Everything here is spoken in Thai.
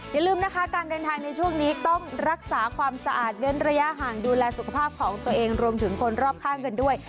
อย่าลืมนะคะการเดินทางในช่วงนี้ต้องรักษาความสะอาดเว้นระยะห่างดูแลสุขภาพของตัวเองรวมถึงคนรอบข้างกันด้วย